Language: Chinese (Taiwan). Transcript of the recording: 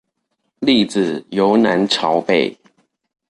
粒子由南朝北